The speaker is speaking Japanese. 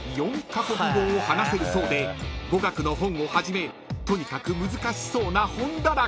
［４カ国語を話せるそうで語学の本をはじめとにかく難しそうな本だらけ］